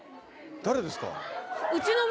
誰ですか？